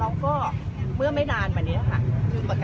เราก็เมื่อไม่นานเหมือนกันนะคะ